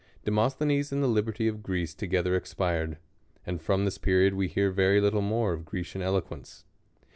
Demosthenes and the liberty of Greece to gether expired ; and from this period we hear very little more of Grecian eloquence.